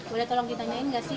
boleh tolong ditanyain gak sih